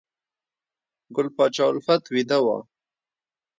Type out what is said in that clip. ګل پاچا الفت بیده و